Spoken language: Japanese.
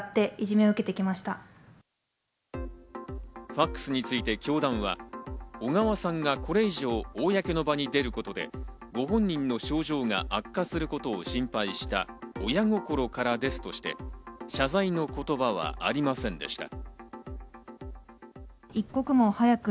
ファクスについて教団は、小川さんがこれ以上、公の場に出ることで、ご本人の症状が悪化することを心配した親心からですとして、謝罪の言葉はありませんでした。